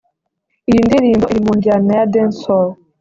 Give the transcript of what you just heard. iyi ndirimbo iri mu njyana ya Dancehall